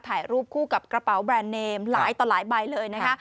ถ่ายรูปคู่กับกระเป๋าแบรนด์เนมหลายต่อหลายใบเลยนะคะ